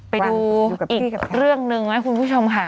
ไปดูอีกเรื่องหนึ่งไหมคุณผู้ชมค่ะ